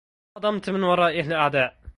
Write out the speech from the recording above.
صادمتْ مِن ورائه الأعداءَ